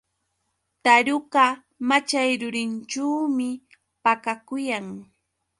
Taruka machay rurinćhuumi pakakuyan.